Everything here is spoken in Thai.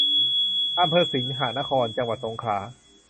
อำเภอสิงหนคร จังหวัดสงขลา